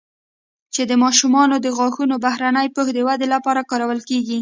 چې د ماشومانو د غاښونو بهرني پوښ د ودې لپاره کارول کېږي